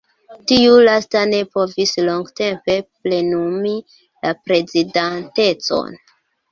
Tiu lasta ne povis longtempe plenumi la prezidantecon.